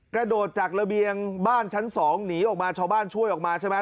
กระโดดจากระเบียงบ้านชั้น๒หนีออกมาชาวบ้านช่วยออกมาใช่ไหม